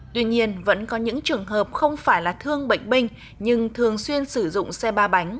tuy nhiên vẫn có những trường hợp không phải là thương bệnh binh nhưng thường xuyên sử dụng xe ba bánh